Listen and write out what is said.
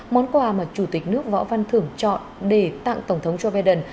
món quà mà chủ tịch nước võ văn thưởng chọn để tặng tổng thống joe biden